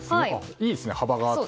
いいですね、幅があって。